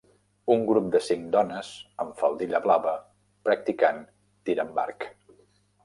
Un grup de cinc dones amb faldilla blava practicant tir amb arc.